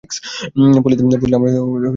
পল্লীতে পৌঁছলে আমরা বৃদ্ধ পিতা এগিয়ে এলেন।